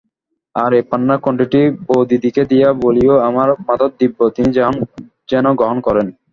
আর এই পান্নার কন্ঠীটি বউদিদিকে দিয়া বলিয়ো, আমার মাথার দিব্য, তিনি যেন গ্রহণ করেন।